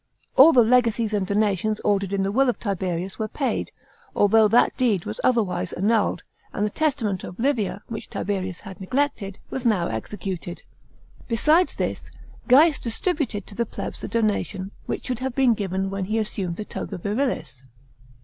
All the legacies and donations ordered in the will of Tiberius were paid, although that deed was otherwise annulled, and the testament of Livia, which Tiberius had neglected, was now executed. Besides this, Gaius distributed to the plebs the donation, which should have been given when he assumed the toga virilis.